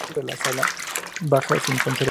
En el techo de la sala baja se conservan pinturas.